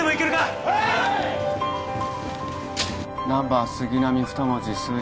ナンバー杉並２文字数字